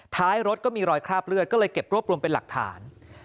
ท้ายรถก็มีรอยคราบเลือดก็เลยเก็บรวบรวมเป็นหลักฐาน